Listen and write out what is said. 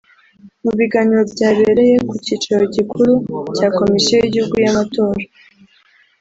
Mu biganiro byabereye ku cyicaro gikuru cya Komisiyo y’Igihugu y’Amatora